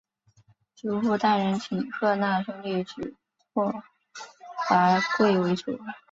诸部大人请贺讷兄弟举拓跋圭为主。